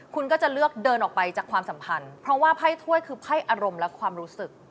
คุณก็จะเลือกเดินออกไปจากความสัมพันธ์เพราะว่าไพ่ถ้วยคือไพ่อารมณ์และความรู้สึก